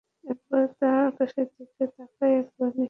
একবার আকাশের দিকে তাকায় একবার নিচের দিকে।